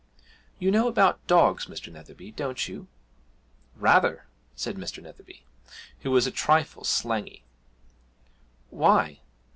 'You know about dogs, Mr. Netherby, don't you?' 'Rath er!' said Mr. Netherby, who was a trifle slangy. 'Why?